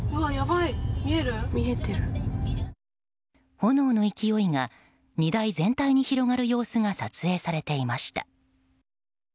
炎の勢いが荷台全体に広がる様子が撮影されていました。